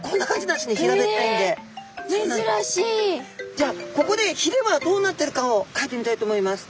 じゃあここでひれはどうなってるかをかいてみたいと思います。